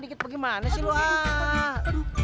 dikit dikit gimana sih lo ah